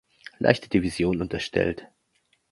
Leichte Division unterstellt.